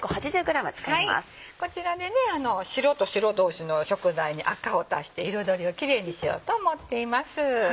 こちらで白と白同士の食材に赤を足して彩りをキレイにしようと思っています。